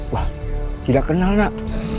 wah tidak kenal nak